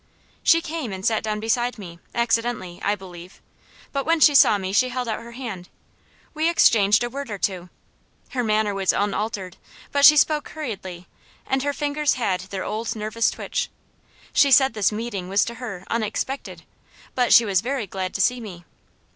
She came and sat down beside me, accidentally, I believe; but when she saw me she held out her hand. We exchanged a word or two her manner was unaltered; but she spoke hurriedly, and her fingers had their old nervous twitch. She said this meeting was to her "unexpected," but "she was very glad to see me."